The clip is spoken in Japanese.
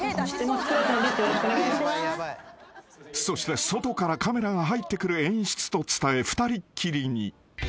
［そして外からカメラが入ってくる演出と伝え二人っきりに］